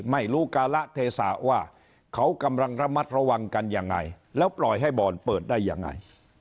ไม่รู้การะเทศะว่าเขากำลังระมัดระวังกันยังไงแล้วปล่อยให้บ่อนเปิดได้ยังไง